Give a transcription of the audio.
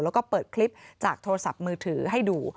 แล้วก็เปิดคลิปจากโทรศัพท์มือถือให้ดู